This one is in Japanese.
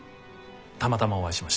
たまたまお会いしました。